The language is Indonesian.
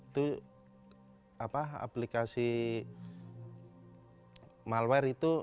aplikasi apk yang diperlukan untuk menginstalkan malware